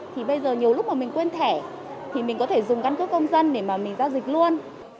thì bây giờ nhiều lúc mà mình quên thẻ thì mình có thể dùng căn cước công dân để mà mình giao dịch luôn